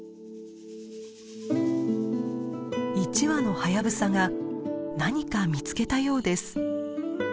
１羽のハヤブサが何か見つけたようです。